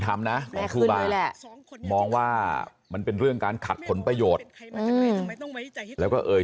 คุณทำนะมองว่ามันเป็นเรื่องการขัดผลประโยชน์แล้วก็เอ่ย